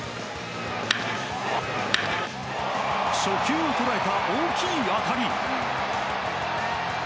初球を捉えた大きい当たり。